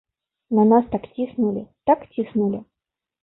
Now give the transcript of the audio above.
На нас так ціснулі, так ціснулі!